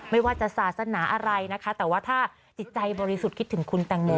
ไม่ว่าจะศาสนาอะไรนะคะแต่ว่าถ้าจิตใจบริสุทธิ์คิดถึงคุณแตงโม